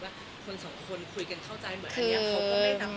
ว่าคนคุยกันเข้าใจเหมือนอันยัง